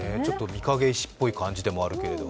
御影石っぽい感じではあるけど。